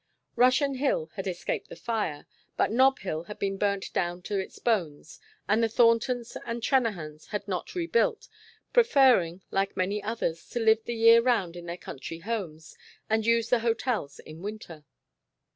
Russian Hill had escaped the fire, but Nob Hill had been burnt down to its bones, and the Thorntons and Trennahans had not rebuilt, preferring, like many others, to live the year round in their country homes and use the hotels in winter.